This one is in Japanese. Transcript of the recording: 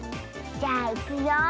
じゃあいくよ。